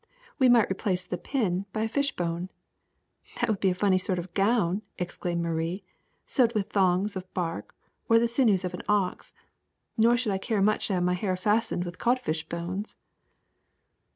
We might replace the pin by a fish bone." ^^That would be a funny sort of gown,'' exclaimed Marie, ^' sewed with thongs of bark or the sinews of an ox ; nor should I care much to have my hair fast ened with codfish bones."